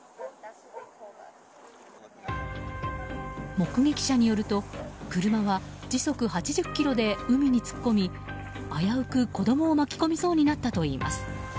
目撃者によると車は時速８０キロで海に突っ込み危うく子供を巻き込みそうになったといいます。